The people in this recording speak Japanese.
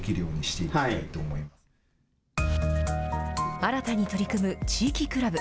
新たに取り組む地域クラブ。